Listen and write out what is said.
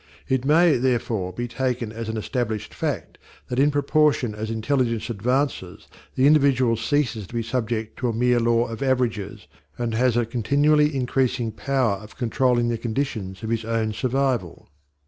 It may, therefore, be taken as an established fact that in proportion as intelligence advances the individual ceases to be subject to a mere law of averages and has a continually increasing power of controlling the conditions of his own survival.